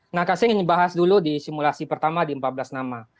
nah saya ingin bahas dulu di simulasi pertama di empat belas nama